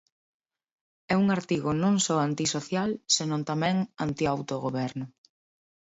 É un artigo non só antisocial senón tamén antiautogoberno.